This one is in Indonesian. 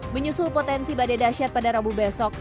menyusul potensi badai dasyat pada rabu besok